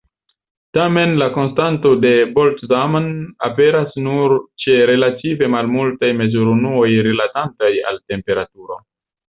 Tamen la konstanto de Boltzmann aperas nur ĉe relative malmultaj mezurunuoj rilatantaj al temperaturo.